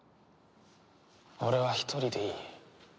俺は一人でいい。